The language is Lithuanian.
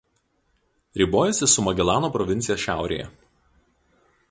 Ribojasi su Magelano provincija šiaurėje.